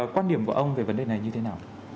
quan điểm của ông về vấn đề này như thế nào